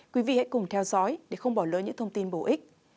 quý vị hãy cùng theo dõi để không bỏ lỡ những thông tin bổ ích